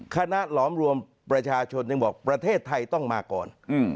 หลอมรวมประชาชนยังบอกประเทศไทยต้องมาก่อน